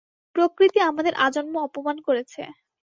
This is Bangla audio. প্রকৃতি আমাদের আজন্ম অপমান করেছে।